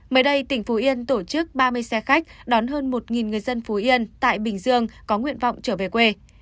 mới đây tỉnh phú yên tổ chức ba mươi xe khách đón hơn một người dân phú yên tại bình dương có nguyện vọng trở về quê